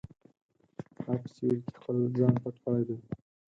تا په سیوري کې خپل ځان پټ کړی دی.